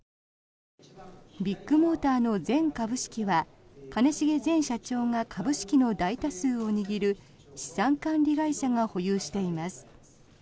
ビッグモーターの全株式は兼重前社長が株式の大多数を握る資産管理会社が保有しています。